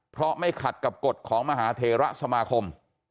เพราะไม่ขัดกับกฎของมหาเทระสมาคม